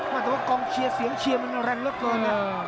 เพราะว่ากองเชียร์เสียงเชียร์มันแรงแล้วเกินเอ่อ